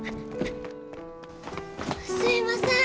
すいません。